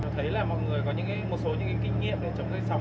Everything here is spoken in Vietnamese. thấy là mọi người có những cái một số những kinh nghiệm chống say sóng